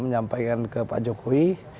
menyampaikan ke pak jokowi